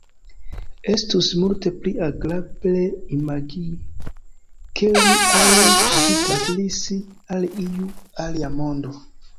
Estus multe pli agrable imagi, ke li aŭ ŝi transiris al iu alia mondo.